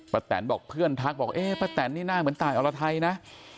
ประแตนบอกเพื่อนทักบอกว่าประแตนนี่น่าเหมือนต่ายอรไทยนะ